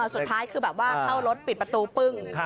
สุดท้ายคือแบบว่าเข้ารถปิดประตูปึ้ง